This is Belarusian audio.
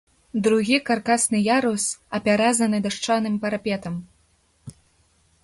Другі каркасны ярус апяразаны дашчаным парапетам.